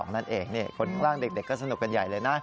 นั่นเองคนข้างเด็กก็สนุกกันใหญ่เลยนะ